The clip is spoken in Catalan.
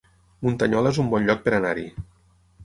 Muntanyola es un bon lloc per anar-hi